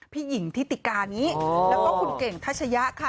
พี่หญิงทิติการนี้แล้วก็คุณเก่งทัชยะค่ะ